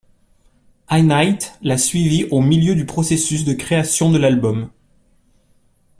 Einheit l'a suivi au milieu du processus de création de l'album.